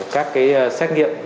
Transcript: các cái xét nghiệm